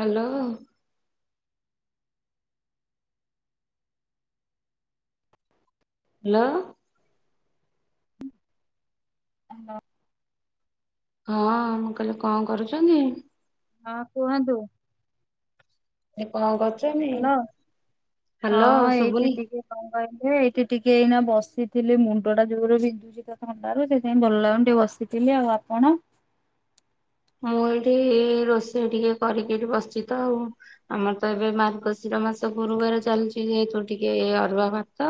Hello. Hello. ହୁଁ hello. ହଁ, ମୁଁ କହିଲି କଣ କରୁଚନ୍ତି? ହଁ, କୁହନ୍ତୁ। ଏ କଣ କରୁଚନ୍ତି? ହ୍ୟାଲୋ! ହଁ, ଏଇଠି ଶୁଭୁନି ଟିକେ କଣ କହିଲେ ଏଇଠି ଟିକେ ଏଇନା ବସିଥିଲି ମୁଣ୍ଡ ଟା ଯୋଉରେ ବିନ୍ଧୁଚି ଥଣ୍ଡାରୁ ସେଇଥିପାଇଁ ଭଲ ଲାଗୁନ ଟିକେ ବସିଥିଲି ଆଉ ଆପଣ? ମୁଁ ଏଠି ରୋଷେଇ ଟିକେ କରିକି ଏଠି ବସିଚି ତ ଆଉ। ଆମର ତ ଏବେ ମାର୍ଗଶିର ମାସ ଗୁରୁବାର ଚାଲିଛି ଯେହେତୁ ଟିକେ ଅରୁଆ ଭାତ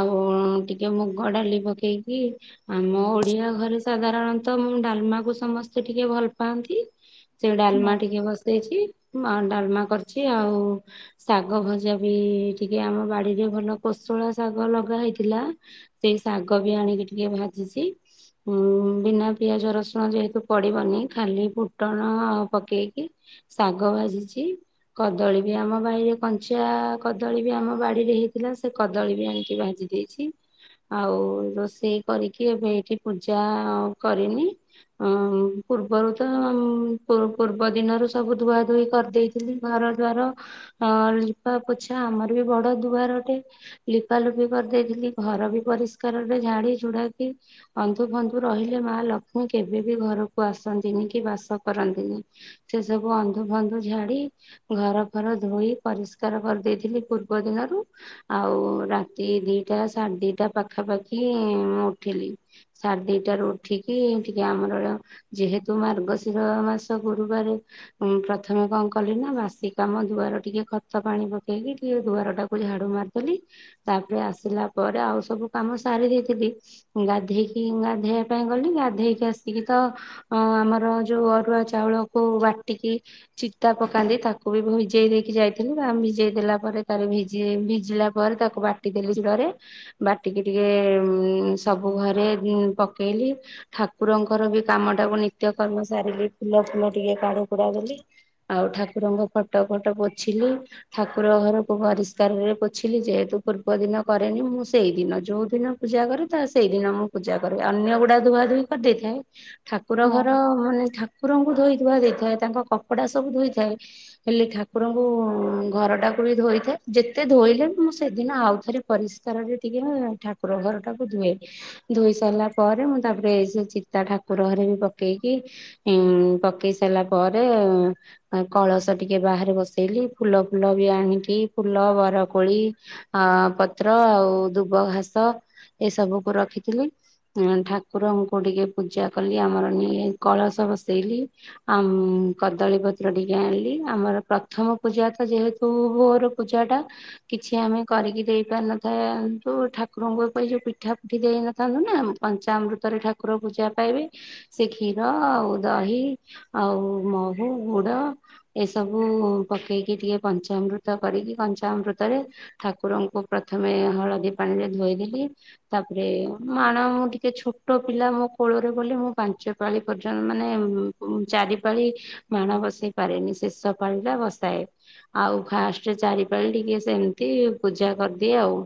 ଆଉ ଟିକେ ମୁଁ ମୁଗଡାଲି ପକେଇକି ଆମ ଓଡିଆ ଘରେ ସାଧାରଣତଃ ମୁଁ ଡାଲମାକୁ ସମସ୍ତେ ଟିକେ ଭଲ ପାଆନ୍ତି ସେ ଡାଲମା ହଁ। ଟିକେ ବସେଇଛି ଆ ଡାଲମା କରିଛି ଆଉ ଶାଗ ଭଜା ବି ଟିକେ ଆମ ବାଡିରେ ଭଲ କୋଶଳା ଶାଗ ଲଗା ହେଇଥିଲା। ସେଇ ଶାଗ ବି ଆଣିକି ଟିକେ ଭାଜିଛି। ହୁଁ, ବିନା ପିଆଜ ରସୁଣ ଯେହେତୁ ପଡିବନି। ଖାଲି ଫୁଟଣ ପକେଇକି ଶାଗ ଭାଜିଛି। କଦଳୀ ବି ଆମ ବାଇରେ କଞ୍ଚା କଦଳୀ ବି ଆମ ବାଡିରେ ହେଇଥିଲା ସେ କଦଳୀ ବି ଆଣିକି ଭାଜି ଦେଇ ଚି ଆଉ ରୋଷେଇ କରିକି ଏବେ ଏଇଠି ପୂଜା କରିନି ଉଁ ପୂର୍ବରୁ ତ ଉଁ ପୂର୍ବ ଦିନରୁ ସବୁ ଧୁଆ ଧୁଇ କରିଦେଇଥିଲି ଘର ଦ୍ୱାର ଅ ଲିପା ପୋଛା ଆମର ବି ବଡ ଦୁଆରଟେ ଲିପା ଲୁପି କରିଦେଇଥିଲି ଘର ବି ପରିଷ୍କାରରେ ଝାଡି ଝୁଡା କି ଅନ୍ଧୁ ଫନ୍ଧୁ ରହିଲେ ମା ଲକ୍ଷ୍ମୀ କେବେ ବି ଘରକୁ ଆସନ୍ତିନି କି ବାସ କରନ୍ତିନି। ସେ ସବୁ ଅନ୍ଧୁ ଫନ୍ଧୁ ଝାଡି ଘର ଫର ଧୋଇ ପରିଷ୍କାର କରିଦେଇଥିଲି ପୂର୍ବ ଦିନରୁ ଆଉ ରାତି ଦିଟା, ସାଢେ ଦିଟା ପାଖାପାଖି ମୁ ଉଠିଲି। ସାଢେ ଦିଟାରୁ ଉଠିକି ଟିକେ ଆମର ଯେହେତୁ ମାର୍ଗଶିର ମାସ ଗୁରୁବାରେ ଉଁ ପ୍ରଥମେ କଣ କଲିନା ବାସି କାମ ଦୁଆର ଟିକେ ଖତ ପାଣି ପକେଇକି ଟିକେ ଦୁଆର ଟା କୁ ଝାଡୁ ମାରିଦେଲି ତାପରେ ଆସିଲା ପରେ ଆଉ ସବୁ କାମ ସାରି ଦେଇଥିଲି। ଗାଧେଇକି ଗାଧେଇବା ପାଇଁ ଗଲି ଗାଧେଇକି ଆସିକି ତ ଅ ଆମର ଯୋଉ ଅରୁଆ ଚାଉଳକୁ ବାଟିକି ଚିତା ପକାନ୍ତି ତାକୁ ବି ଭିଜେଇ ଦେଇକି ଯାଇଥିଲି ତା ଭିଜେଇ ଦେଲା ପରେ ତାର ଭିେଇ ଭିଜିଲା ପରେ ଘରେ ତାକୁ ବାଟିଦେଲି ଶିଳରେ ବାଟିକି ଟିକେ ଉଁ ସବୁ ଘରେ ପକେଇଲି। ଠାକୁରଙ୍କର ବି କାମ ଟାକୁ ନିତ୍ୟ କର୍ମ ସାରିକି ଫୁଲ ଫୁଲ ଟିକେ କାଢ଼ିକୁଡା ଦେଲି। ଆଉ ଠାକୁରଙ୍କ ଫଟୋ ଫଟ ପୋଛିଲି। ଠାକୁର ଘରକୁ ପରିଷ୍କାରରେ ପୋଛିଲି ଯେହେତୁ ପୂର୍ବ ଦିନ କରେନି ମୁଁ ସେଇ ଦିନ ଯୋଉ ଦିନ ପୂଜା କରେ ତ ସେଇଦିନ ମୁଁ ପୂଜା କରେ ଅନ୍ୟ ଗୁଡା ଧୁଆ ଧୁଇ କରି ଦେଇଥାଏ। ଠାକୁର ହଁ ଘର ମାନେ ଠାକୁରଙ୍କୁ ଧୋଇଥଥିବା ଦେଇଥାଏ ତାଙ୍କ କପଡ଼ା ସବୁ ଧୋଇଥାଏ। ହେଲେ ଠାକୁରଙ୍କୁ ଘରଟାକୁ ବି ଧୋଇଥାଏ ଯେତେ ଧୋଇଲେ ବି ମୁଁ ସେଦିନ ଆଉଥରେ ପରିଷ୍କାରରେ ଟିକେ ମୁଁ ଠାକୁର ଘରଟା କୁ ଧୁଏ। ଧୋଇ ସାରିଲା ପରେ ମୁଁ ତାପରେ ଏ ଚିତା ଠାକୁର ଘରେ ବି ପକେଇକି ଉଁ ପକେଇ ସାରିଲା ପରେ କଳସ ଟିକେ ବାହାରେ ବସେଇଲି ଫୁଲ ଫୁଲ ବି ଆଣିକି ଫୁଲ ବରକୋଳି ଅ ପତ୍ର ଆଉ ଧୁବ ଘାସ ଏ ସବୁକୁୁ ରଖିଥିଲି ଉଁ ଠାକୁରଙ୍କୁ ଟିକେ ପୂଜା କଲି ଆମର ନି କଳସ ବସେଇଲି। ଆମ କଦଳୀ ପତ୍ର ଟିକେ ଆଣିଲି ଆମର ପ୍ରଥମ ପୂଜା ତ ଯେହେତୁ ତୁ ଭୋର ପୂଜା ଟା କିଛି ଆମେ କରିକି ଦେଇ ପାରିନଥାନ୍ତୁ ଠାକୁରଙ୍କ ଏ ପାଇଁ ଯୋଉ ପିଠା ପିଠି ଦେଇନଥାନ୍ତୁ ନା ପଞ୍ଚାମୃତ ରେ ଠାକୁର ପୂଜା ପାଇବେ। ସେ କ୍ଷୀର ଆଉ ଦହି, ଆଉ ମହୁ, ଗୁଡ ଏସବୁ ପକେଇକି ଟିକେ ପଞ୍ଚାମୃତ କରିକି କଞ୍ଚାମୃତରେ ଠାକୁରଙ୍କୁ ପ୍ରଥମେ ହଳଦୀ ପାଣି ରେ ଧୋଇଦେଲି ତାପରେ ମାଣ ମୁଁ ଟିକେ ଛୋଟ ପିଲା ମୋ କୋଳରେ ବୋଲି ମୁଁ ପାଞ୍ଚ ପାଳି ପର୍ଯ୍ୟନ୍ ମାନେ ଉଁ ଚାରି ପାଳି ମାଣ ବସେଇ ପାରେନି ଶେଷ ପାଳି ବସାଏ। ଆଉ ଫାଷ୍ଟରେ ଚାରିପାଳ ଟିକେ ସେମିତି ପୂଜା କରିଦିଏ ଆଉ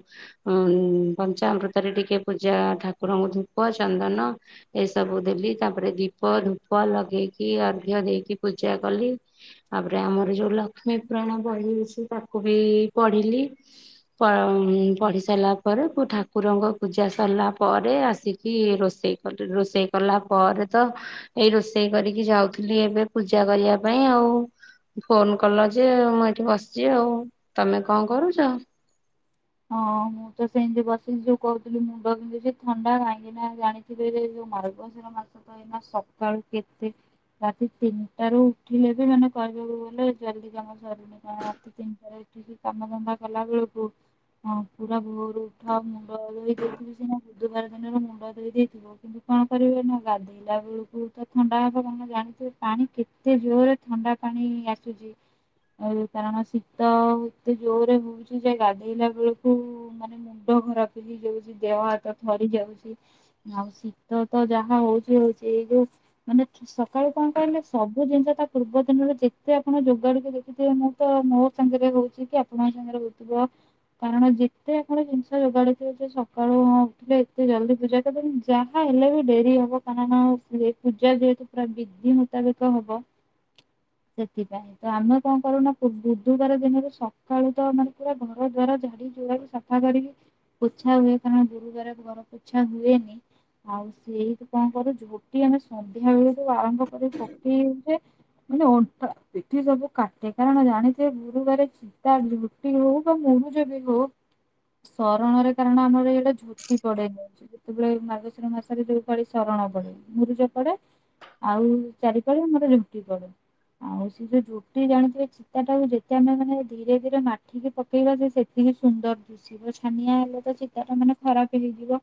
ଉଁ ପଞ୍ଚାମୃତ ରେ ଟିକେ ପୂଜା ଠାକୁରଙ୍କୁ ଧୂପ ଚନ୍ଦନ ଏ ସବୁ ଦେଲି ତାପରେ ଦୀପ ଧୂପ ଲଗେଇକି ଅର୍ଘ୍ୟ ଦେଇକି ପୂଜା କଲି ତାପରେ ଆମର ଯୋଉ ଲକ୍ଷ୍ମୀ ପୁରାଣ ବହି ଇଛି ତାକୁ ବି ପଢିଲି ପ ପଢି ସାରିଲା ପରେ ପୁ ଠାକୁରଙ୍କ ପୂଜା ସରିଲା ପରେ ଆସି କି ରୋଷେଇ କଲି ରୋଷେଇ କଲା ପରେ ତ ଏଇ ରୋଷେଇ କରିକି ଯାଉଥିଲି ଏବେ ପୂଜା କରିବା ପାଇଁ ଆଉ ଫୋନ କଲ ଯେ ମୁଁ ଏଇଠି ବସିଛି ଆଉ ତମେ କ କରୁଚ? ହଁ ମୁଁ ତ ସେମତି ବସିି ଯୋଉ କହୁଥିଲି ମୁଣ୍ଡ ବିନ୍ଧୁ ସେ ଥଣ୍ଡା କାଁକି ନା ଜାଣିଥିବ ଯୋଉ ମାରଗ ଗସିର ମାଛ ତ ଏଇନା ସକାଳୁ କେତେ ରାତି ତିନିଟା ରୁ ଉଠିଲେ ବି ମାନେ କରିବାକୁ ଗଲେ ଜଲଦି କାମ ସରେ ରାତି ତିନିଟାରେ ଏଠିକି କାମଧନ୍ଦା କଲା ବେଳକୁ ହଁ ପୁରା ଭୋରୁ ଉଠା ମୁଣ୍ଡ ଧୋଇ ଦେଇଥିବି ସିନା ବୁଧବାର ଦିନରେ ମୁଣ୍ଡ ଧୋଇ ଦେଇଥିବ। କିନ୍ତୁ କଣ କରିବେ ନା ଗାଧୁ ପିଲା ବେଳକୁ ତ ଥଣ୍ଡା ହବ କଣ ଜାଣିଥିବ ପାଣି କେତେ ଜୋରେ ଥଣ୍ଡା ପାଣି ଆସୁଚି। ଆଉ କାରଣ ଶୀତ ଏତେ ଜୋରରେ ହଉଚି ଯେ ଗାଧେଇଲା କୁଳକୁ ମାନେ ମୁଣ୍ଡ ଖରାପ ହେଇଯାଉଚି ଦେହ ହାତ ଥରି ଯାଉଚି। ଆଉ ଶୀତ ତ ଯାହା ହୋଉଚି ହୋଉଚି ଏଇ ଯୋଉ ମାନେ ଚୁ ସକାଳୁ କ କହିଲେ ସବୁ ଜିନିଷ ତା ପୂର୍ବ ଦିନରେ ଯେତେ ଆପଣ ଯୋଗାଡୁକୁ ଦେଖିଥିବେ ମୋ ତ ମୋ ସାଙ୍ଗରେ ହଉଛି କି ଆପଣଙ୍କ ସାଙ୍ଗରେ ହଉଥିବ କାରଣ ଯେତେ ଆପଣ ଜିନିଷ ଯୋଗାଡିଥିବେ ଯେ ସକାଳୁ ଉଠିଲେ ଏତେ ଜଲଦି ପୂଜା ତଦାବି ଯାହା ହେଲେ ବି ଡେରି ହବ କାରଣ ସିଏ ପୂଜା ଯେହେତୁ ପୁରା ବିଧି ମୁତାବିକ ହବ ସେଥିପାଇଁ। ତ ଆମେ କଣ କରୁନା ପୁ ବୁଧବାର ଦିନରେ ସକାଳୁ ତ ମାନେ ପୁରା ଘର ଦ୍ଵାରା ଝାଡୁ ଯୁଆଡୁ ସଫା କରିକି ପୋଛା ହୁଏ କାରଣ ଗୁରୁବାର ଘର ପୋଛା ହୁଏନି। ଆଉ ସେଇଠି କ କରୁ ଝୋଟି ଆମେ ସନ୍ଧ୍ୟା ବେଳକୁ ଆଳମ୍ଭ କରି ପକେଇଉଜେ ମାନେ ଅଣ୍ଟା ଏଠି ସବୁ କାଟେ କାରଣ ଜାଣିଥିଏ ଗୁରୁବାରେ ଚୁ ଇତା ଝୁଟି ହଉ ବା ମହୁଯବୁ ହୋଊ ଶରଣରେ କାରଣ ଆମର ଏଇଆଡ଼େ ଝୁଟି ପଡେ ନି। ଯେତେବେଳେ ମାର୍ଗଶିର ମାସରେ ଯୋଉ ପାଡି ଶରଣ ପଡେ ମୁରିଜ ପଡେ ଆଉ ଚାରିପାଳିି ଆମୋରେ ଝୁନ୍ଟି ପଡେ। ଆଉ ସେ ଯୋଉ ଝୁଟି ଜାଣିଥିବେ ଚିତା ଟାକୁ ଯେତେ ଆମେ ମାନେ ଧୀରେ ଧୀରେ ମାଠିକି ପକେଇବାଜେ ସେ ଟିକି ସୁନ୍ଦର ଦିଶିବ ଛାନିଆ ହେଲେ ତ ଚିତା ଟା ମାନେ ଖରାପ ହେଇଯିବ।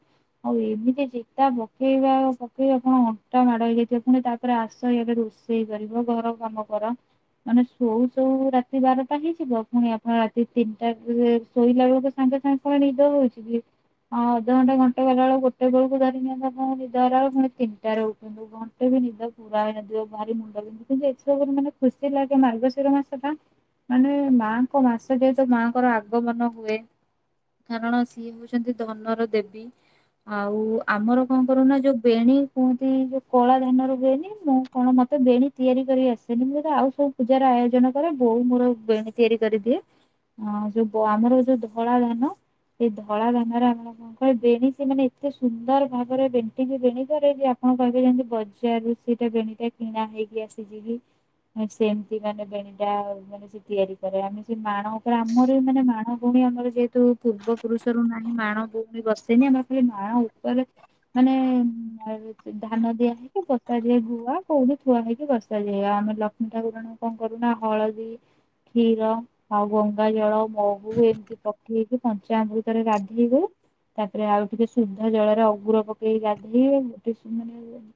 ଆଉ ଏମିତି ଚିତା ପକେଇବା ପକାଇ ଆପଣ ଅଣ୍ଟା ମାଡ ହେଇଯାଇଥିବ ପୁଣି ତା ତାରେ ଆସ ଇଆଡେ ରୋଷେଇ କରିବ ଘର କାମ କର ମାନେ ସୋଉ ସୋଉ ରାତି ବାରଟା ହେଇଯିବ ପୁଣି ଆପଣ ରାତି ତିନିଟା ଶୋଇଲା ବେଳକୁ ସାଙ୍ଗେ ସାଙ୍ଗେ କୁଆ ନିଦ ହଉଛି କି ହଁ ଅଧଘଣ୍ଟା ଘଣ୍ଟ ଗଲାବେ ଗୋଟେ ଧୋଉକୁ ଧରି [unintelligible] ନିଦ ହେଲା ବେଳକୁ ପୁଣି ତିନିଟା ଉଠ ଘଣ୍ଟ ବି ନିଦ ପୁରା ହେଇନଥିବା ଭାରି ମୁଣ୍ଡ ବିନ [unintelligible] ଏସବୁରେ ମାନେ ଖୁସି ଲାଗେ ମାର୍ଗଶୀର ମାସ ଟା ମାନେ ମାଙ୍କ ମାସ ଯେହେତୁ ମା କର ଆଗମନ ହୁଏ କାରଣ ସିଏ ହଉଛନ୍ତି ଧନର ଦେବୀ। ଆଉ ଆମର କଣ କରୁନା ଯୋଉ ବେଣୀ କୁହନ୍ତି ଯୋଉ କଳା ଧାନ ର ବୁଣୀ ମୁଁ କଣ ମତେ ବେଣୀ ତିଆରି କରି ଆସେନି ମୁଁ ଆଉ ସବୁ ପୂଜାର ଆୟୋଜନ କରେ ବୋଉ ମୋର ବେଣୀ ତିଆରି କରିଦିଏ ହଁ ଯୋଉ ଆମର ଯୋଉ ଧଳା ଧାନ ସେଇ ଧଳା ଧାନରେ ଆମର ହ କହିଲ ବେଣୀ ସେ ମାନେ ଏତେ ସୁନ୍ଦର ଭାବରେ ବେଣ୍ଟିିକ ବେଣ କରେ ଆପଣ କହିବେ ଯେତି ବଜାରରୁ ସେଇଟା ବେଣଟା କିଣା ହେଇକି ଆସିଯିବି ସେମିତି ମାନେ ବେଣଟା ମାନେ ସେ ତିଆରି କରେ ଆମେ ସେ ମାଣ ଆ ଆମର ମାନେ ମାଣ ଭଉଣୀ ଆମର ଯେହେତୁ ପୂର୍ବ ପୁରୁଷରୁ ନାହିଁ ମାଣ ଭଉଣୀ ବସେନି ଆମର ଖାଲି ମାଣଉ ପରେ ମାନେ ଧାନ ଦିଆ ହେଇକି ବର୍ଷାଯାଏ ଗୁଆ କୋଉଠି ଥୁଆ ହେଇକି ବର୍ଷାଯାଏ ଆମେ ଲଷ୍ମୀ ଠାକୁରଣ କଣ କରୁନା ହଳଦୀ କ୍ଷୀର ଆଉ ଗ ଗଙ୍ଗା ଜଳ ମହୁ ଏମିତି ପକେଇ ହେକି କଞ୍ଚା ଆମୃତରେ ଗାଧୁ ତାପରେ ଆଉ ଟିକେ ଶୁଦ୍ଧ ଜଳରେ ଅଗୁର ପକେଇକି ଗାଧେଇ ଗୋଟେ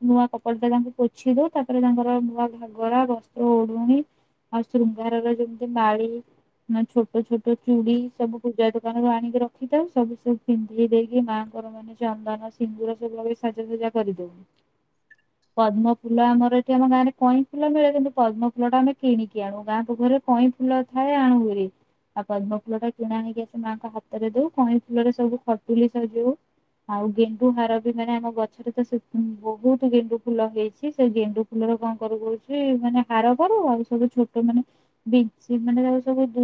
ନୂଆ କପଡ଼ ଟା ତାଙ୍କୁ ପୋଛି ଦଉ ତାପରେ ତାଙ୍କର ନୂଆ ଘାଗରା ବସ୍ତ୍ର ଓଡୁଣି ଆଉ ଶୃଙ୍ଗାରଗ ଯେଉମିତି ମାଳି ନା ଛୋଟ ଛୋଟ ଚୁଡ଼ି ସବୁ ପୂଜା ଦୋକାନ ରୁ ଆଣିକି ରଖିଥାଉ ସବୁ ସବୁ ପିନ୍ଧି ଦେଇକି ମାଆଙ୍କର ମାନେ ଚନ୍ଦନ ସିନ୍ଦୁର ସବୁ ଭାବେ ସାଜାସଜା କରିଦଉନି ପଦ୍ମ ଫୁଲ ଆମର ଏଠି ଆମ ଗାଁରେ କଇଁ ଫୁଲ ମିଳେ କିନ୍ତୁ ପଦ୍ମ ଫୁଲ ଟା ଆମେ କିଣିକି ଆଣୁ ଗାଁ ପାଖରେ କଇଁ ଫୁଲ ଥାଏ ଆଣୁଗରି ଆଉ ପଦ୍ମ ଫୁଲ ଟା କିଣା ହେଇକି ଆ ମାଆଙ୍କ ହାତରେ ଦଉ କଇଁ ଫୁଲରେ ସବୁ ଖଟୁଲି ସଜଉ ଆଉ ଗେଣ୍ଡୁ ହାର ବି ମାନେ ଆମ ଗଛରେ ତ ବହୁତ ଗେଣ୍ଡୁ ଫୁଲ ହେଇଛି ସେ ଗେଣ୍ଡୁ ଫୁଲର କଣ କରୁ କହୁଛି ମାନେ ହାର କର ଆଉ ସବୁ ଛୋଟ ମାନେ ବି ମାନେ ତାକୁ ସବୁ ଦୁ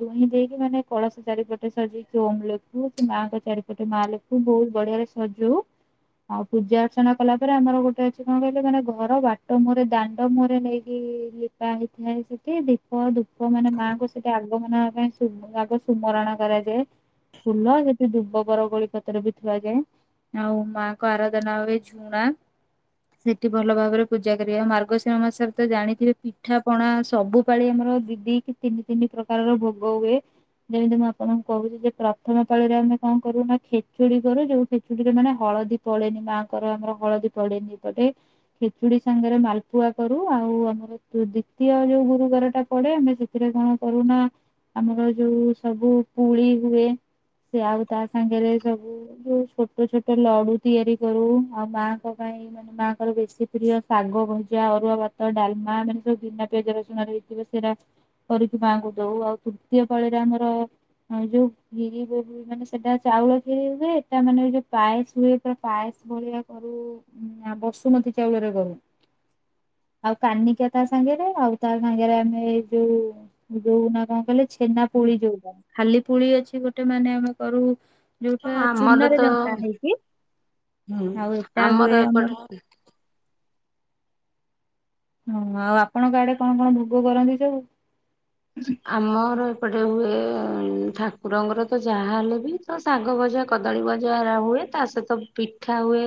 ଦୁହିଁ ଦେଇକି ମାନେ କଳସ ଚାରିପଟେ ସଜେଇକି ଓମ୍ ଲେଖୁ କି ମାଆଙ୍କ ଚାରିପଟେ ମା ଲେଖୁ ତୁ ବହୁତ ବଢିଆରେ ସଜଉ ଆଉ ପୂଜା ଅର୍ଚ୍ଚନା କଲା ପରେ ଆମର ଗୋଟେ ଅଛି କଣ କହିଲେ ମାନେ ଘର ବାଟ ମହରେ ଦାଣ୍ଡ ମ ମୁହଁରେ ନେଇ ଲିପା ହେଇଥାଏ ସେଠି ଦୀପ ଦୁଃଖ ମାନେ ମାଙ୍କୁ ସେଠି ଆଗମନ ପାଇଁ ଆଗ ସୁମରଣ କରାଯାଏ ଫୁଲ ଯଦି ଧୁବ ବର ଗୋଳି ପତରେ ବି ଥିବା ଯାଏ ଆଉ ମାଙ୍କ ଆରାଧନା ହବେ ଝୁଣା ସେଠି ଭଲ ଭାବରେ ପୂଜା କରିବା ମାର୍ଗଶିଂର ମାସରେ ତ ଜାଣିଥିବେ ପିଠା ପଣା ସବୁ ଦୀପାଳି ଆମର ଦି ଦି କି ତିନି ତିନି ପ୍ରକାରର ଭୋଗ ହୁଏ ଯେମିତି ମୁଁ ଆପଣଙ୍କୁ କହୁଛି ଯେ ପ୍ରଥମ ପାଳିରେ ଆମେ କଣ କରୁ ନା ଖେଚୁଡି କରୁ ଯୋଉ ଖେଚୁଡିରେ ମାନେ ହଳଦୀ ପଳେନି ମାଆଙ୍କର ଆମର ହଳଦୀ ପଡେନି ଏପଟେ। ଖେଚୁଡି ସାଙ୍ଗରେ ମାଲପୁଆ କରୁ ଆଉ ଆମର ଦ୍ଵିତୀୟ ଯୋଉ ଗୁରୁବାର ଟା ପଡେ ଆମେ ସେଥିରେ କଣ? କରୁନା ଆମର ଯୋଉ ସବୁ ପୁଳି ହୁଏ। ସେ ଆଉ ତା ସାଙ୍ଗରେ ସବୁ ଯୋଉ ଛୋଟ ଛୋଟ ଲଡୁ ତିଆରି କରୁ ଆଉ ମାଙ୍କ ପାଇଁ। ମାନେ ମାଆଙ୍କର ବେଶୀ ପ୍ରିୟ ଶାଗ ଭଜା ଅରୁଆ ଭାତ ଡାଲମା ମାନେ ସବୁ ବିନା ପିଆଜ ରସୁଣ ର ହେଇଥିବ ସେଇଟା। ମାଙ୍କୁ ଦଉ ଆଉ ତୃତୀୟ ପାଳରେ ଆମର ଯୋଉ ଗିରି ମାନେ ସେଟା ଚାଉଳ କି ହୁଏ ଏଟା ମାନେ ପାଏସ ହୁଏ ପାଏସ ଭଳିଆ କରୁ। ଁ ବସୁମତୀ ଚାଉଳରେ କରୁ। ଆଉ କାନିକା ତା ସାଙ୍ଗରେ ଆଉ ତା ସାଙ୍ଗରେ ଆମେ ଯୋଉ ଯୋଉ ନା କଣ କହିଲେ ଛେନା ପୋଳି ଯୋଉ ଖାଲି ପୁଳି ଅଛି ଗୋଟେ ମାନେ ଆମେ କରୁ। ହଁ ଯୋଉଟା ଆମର ଚୁନାରେ ତ ଜଙ୍କା ହେଇକି ହୁଁ ଆଉ ଏଟା ହୁଏ ଆମର। ହଁ ଆଉ ଆପଣଙ୍କ ଆଡେ କଣ କଣ ଭୋଗ କରନ୍ତି ସବୁ? ଆମର ଏପଟେ ହୁଏ ଠାକୁରଙ୍କର ତ ଯାହା ହେଲେ ବି ତ ଶାଗ ଭଜା କଦଳୀ ଭଜା ହୁଏ ତା ସହିତ ପିଠା ହୁଏ।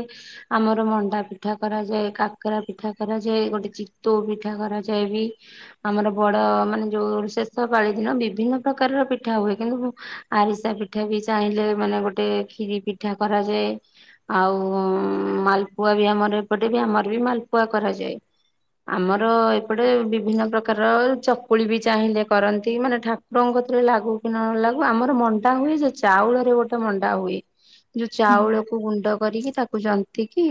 ଆମର ମଣ୍ଡା ପିଠା କରାଯାଏ କାକରା ପିଠା କରାଯାଏ ଗୋଟେ ଚିତଉ ପିଠା କରାଯାଏ ବି। ଆମର ବଡ ମାନେ ଯୋଉ ଶେଷକାାଳି ଦିନ ବିଭିନ୍ନ ପ୍ରକାରର ପିଠା ହୁଏ କିନ୍ତୁ? ଆରିସା ପିଠା ବି ଚାହିଁଲେ ମାନେ ଗୋଟେ ଖ୍ଷିରି ପିଠା କରାଯାଏ। ଆଉ ମାଲପୁଆ ବି ଆମର ଏପଟେ ବି ଆମର ବି ମାଲପୁଆ କରାଯାଏ। ଆମର ଏପଟେ ବିଭିନ୍ନ ପ୍ରକାର କକୁଳି ବି ଚାହିଁଲେ କରନ୍ତି ମାନେ ଠାକୁରଙ୍କଥିରେ ଲାଗୁ କି ନ ଲାଗୁ ଆମର ମଣ୍ଡା ହୁଏ ଯେ ଚାଉଳରେ ଗୋଟେ। ମଣ୍ଡା ହୁଏ ଯୋଉ ଚାଉଳକୁ ଗୁଣ୍ଡ କରିକି ତାକୁ ଯନ୍ତ ତିକି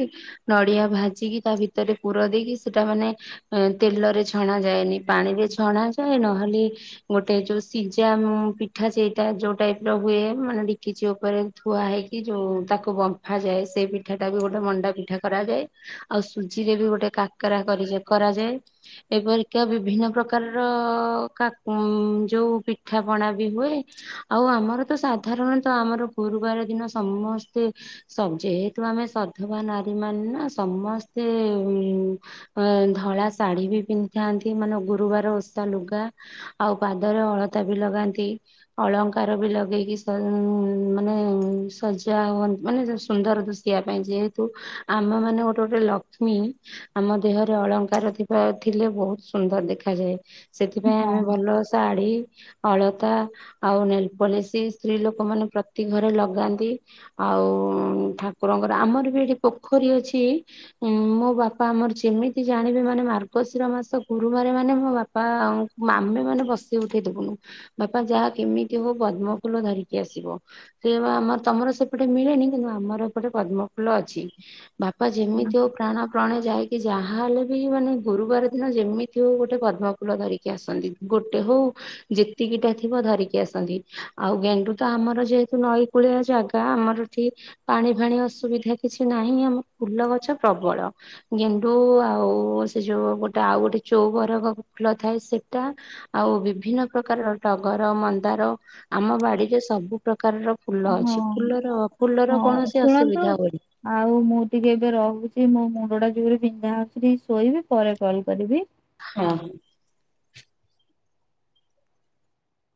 ନଡିଆ ଭାଜିକି ତା ଭିତରେ ପୁର ଦେଇକି ସେଟା ମାନେ ଏ ତେଲରେ ଛଣା ଯାଏନି ପାଣି ରେ ଛଣା ଯାଏ ନହେଲେ। ଗୋଟେ ଯୋଉ ସିଝା ପିଠା ସେଟା ଯୋଉ ଟାଇପ ର ହୁଏ ମାନେ ଡିକିଛି ଉପରେ ଥୁଆ ହେଇକି ଯୋଉ ତାକୁ ବମ୍ଫା ଯାଏ ସେ ପିଠା ଟା ବି ଗୋଟେ ମଣ୍ଡା ପିଠା କରାଯାଏ। ଆଉ ସୁଜି ରେ ବି ଗୋଟେ କାକରା କରି କରାଯାଏ ଏପରିକି ବିଭିନ୍ନ ପ୍ରକାର ରା ଯେଉଁ ପିଠାପଣା ବି ହୁଏ। ଆଉ ଆମର ତ ସାଧାରଣତଃ ଆମର ଗୁରୁବାର ଦିନ ସମସ୍ତେ ଯେହେତୁ ଆମେ ସଧବା ନାରୀ ମାନେ ନା ସମସ୍ତେ ଉ! ଅ ଧଳା ଶାଢୀ ବି ପିନ୍ଧିଥାନ୍ତି ମାନେ ଗୁରୁବାର। ଲୁଗା ଆଉ ପାଦରେ ଅଳତା ବି ଲଗାନ୍ତି। ଅଳଙ୍କାର ବି ଲଗେଇକି ମାନେ ସଜା ହୁ ମାନେ ସୁନ୍ଦର ଦ। ଶିବା ପାଇଁ ଯେହେତୁ ଆମ ମାନେ ଗୋଟେ ଗୋଟେ ଲକ୍ଷ୍ମୀ। ଆମ ଦେହରେ ଅଳଙ୍କାର ଥିବା ଥିଲେ ବହୁତ ସୁନ୍ଦର ଦେଖାଯାଏ। ସେଥିପାଇଁ ଆମେ ହଁ ଭଲ ଶାଢୀ ଅଳତା ଆଉ ନେଲପଲେଶୀ ସ୍ତ୍ରୀ ଲୋକ ମାନ ପ୍ରତି ଘରେ ଲଗାନ୍ତି। ଆଉ ଠାକୁରଙ୍କର ଆମର ବି ଏଠି ପୋଖରୀ ଅଛି। ହୁଁ ମୋ ବାପା ଆମର ଯେମିତି ଜାଣିବେ ମାନେ ମାର୍ଗଶିର ମାସ ଗୁରୁବାର ମାନେ ମୋ ବାପା। ବା ମାମେ ମାନେ ବସ ଉଠେଇଦବୁନୁ। ବାପା ଯାହା କେମିତି ହଉ ପଦ୍ମଫୁଲ ଧରିକି ଆସିବ। ସେ ଆମ ତମର ସେପଟେ ମିଳେନି କିନ୍ତୁ ଆମର ଏପଟେ ପଦ୍ମ ଫୁଲ ଅଛି। ବାପା ହଁ ଯେମିତି ହଉ ପ୍ରାଣ ପ୍ରାଣେ ଯାଇକ କି ଯାହାହଲେ ବି ମାନେ ଗୁରୁବାର ଦିନ ଯେମିତି ହଉ ଗୋଟେ ପର୍ବ। ଫୁଲ ଧରିକି ଆସନ୍ତି ଗୋଟେ ହଉ। ଯେତିକିଟା ଥିବ ଧରିକି ଆସନ୍ତି ଆଉ ଗେଣ୍ଡୁ ତ ଆମର ଯେହେତୁ ନଈ କୁଳିଆ ଜାଗା ଆମର ଏଠି ପାଣି ଫାଣି ଅସୁବିଧା କିଛି ନାହିଁ ଆମ ଫୁଲ ଗଛ ପ୍ରବଳ। ଗେଣ୍ଡୁ ଆଉ ସେ ଯୋଉ ଗୋଟେ ଆଉ ଗୋଟେ ଚଉବର ଫୁଲ ଥାଏ ସେଟା ଆଉ ବିଭିନ୍ନ ପ୍ରକାର ଟଗର, ମନ୍ଦାର ଆମ ବାଡିରେ ସବୁ ପ୍ରକାରର ଫୁଲ ଅଛି। ଫୁଲର ଫୁଲର ହଁ କୌଣସି ଶୁଣନ୍ତୁ ଅସୁବିଧା ହୁଏନି ଆଉ ମୁଁ ଟିକେ ଏବେ ରହୁଛି ମୋ ମୁଣ୍ଡଟା ଜୋରରେ ବିନ୍ଧା ହଉଛି। ଶୋଇବି ପରେ କଲ୍ କରିବି ହଁ